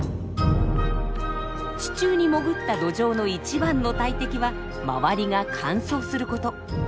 地中に潜ったドジョウの一番の大敵はまわりが乾燥する事。